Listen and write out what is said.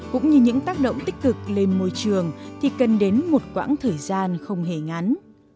cũng như những tác động tích cực lên môi trường thì cần đến một quãng thời gian không hề ngắn